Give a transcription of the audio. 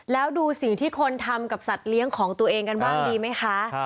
แล้วดูสิ่งที่คนทำกับสัตว์เลี้ยงของตัวเองกันบ้างดีไหมคะ